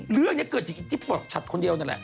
เรื่องนี้เกิดจากอิจิปอร์ตชัดคนเดียวนั่นแหละ